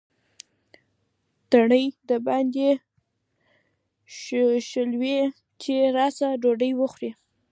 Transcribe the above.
تڼۍ درباندې شلوي چې راسره ډوډۍ وخورې.